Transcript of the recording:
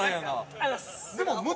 ありがとうございます。